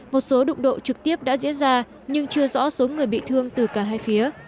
một số đụng độ trực tiếp đã diễn ra nhưng chưa rõ số người bị thương từ cả hai phía